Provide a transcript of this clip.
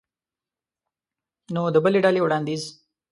نو د بلې ډلې وړاندیز